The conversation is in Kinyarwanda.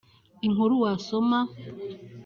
Inkuru wasoma